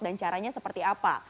dan caranya seperti apa